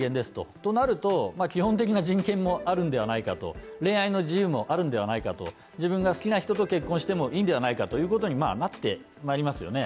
となると基本的な人権もあるんではないかと恋愛の自由もあるんではないかと、自分が好きな人と結婚してもいいんではないかということになってまいりますよね